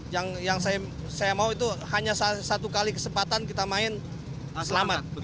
yang saya mau itu hanya satu kali kesempatan kita main selamat